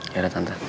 ya udah tante